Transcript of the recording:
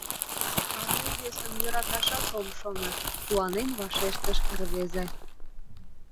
— А мый весым йӧраташат ом шоно, — куанен вашештыш рвезе.